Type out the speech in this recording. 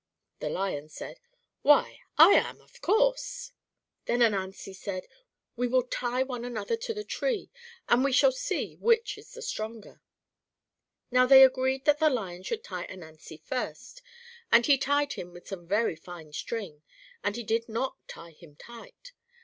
The Lion said, "Why, I am, of course." Then Ananzi said, "We will tie one another to the tree, and we shall see which is the stronger." Now they agreed that the Lion should tie Ananzi first, and he tied him with some very fine string, and did not tie him tight.